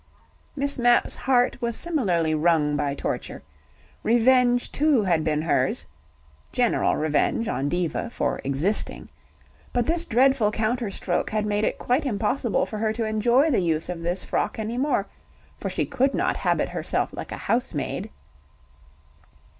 Miss Mapp's heart was similarly wrung by torture: revenge too had been hers (general revenge on Diva for existing), but this dreadful counter stroke had made it quite impossible for her to enjoy the use of this frock any more, for she could not habit herself like a housemaid.